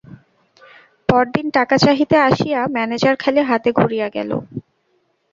পরদিন টাকা চাহিতে আসিয়া ম্যানেজার খালি হাতে ঘুরিয়া গেল।